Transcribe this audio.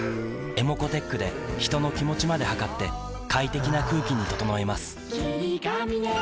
ｅｍｏｃｏーｔｅｃｈで人の気持ちまで測って快適な空気に整えます